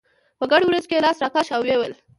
په ګڼو وريځو یې لاس راښکه او یې وویل.